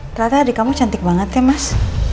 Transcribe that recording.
ternyata adik kamu cantik banget ya mas